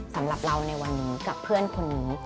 สำหรับเราในวันนี้กับเพื่อนคนนี้